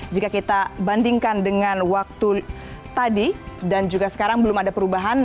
jika kita bandingkan dengan waktu tadi dan juga sekarang belum ada perubahan